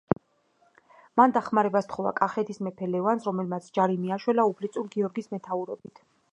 მან დახმარება სთხოვა კახეთის მეფე ლევანს, რომელმაც ჯარი მიაშველა უფლისწულ გიორგის მეთაურობით.